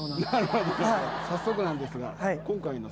早速なんですが。